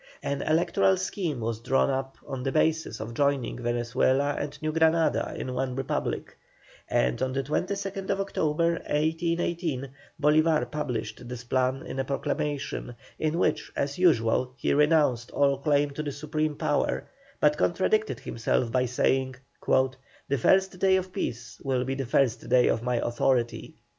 An electoral scheme was drawn up on the basis of joining Venezuela and New Granada in one Republic, and on the 22nd October, 1818, Bolívar published this plan in a proclamation, in which as usual he renounced all claim to the supreme power, but contradicted himself by saying: "The first day of peace will be the last of my authority."